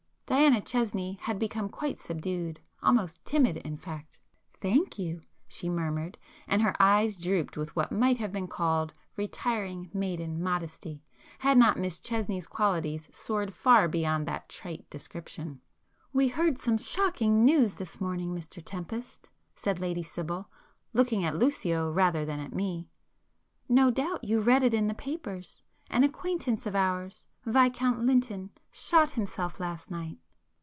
Diana Chesney had become quite subdued, almost timid in fact. "Thank you!"—she murmured, and her eyes drooped with what might have been called retiring maiden modesty, had not Miss Chesney's qualities soared far beyond that trite description. "We heard some shocking news this morning, Mr Tempest," said Lady Sibyl, looking at Lucio rather than at me—"No doubt you read it in the papers,—an acquaintance of ours, Viscount Lynton, shot himself last night."